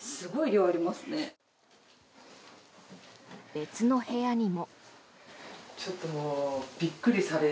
別の部屋にも。